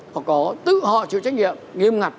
họ có tự họ chịu trách nhiệm nghiêm ngặt